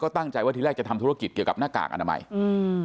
ตั้งใจว่าทีแรกจะทำธุรกิจเกี่ยวกับหน้ากากอนามัยอืม